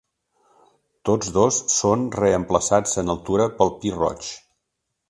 Tots dos són reemplaçats en altura pel pi roig.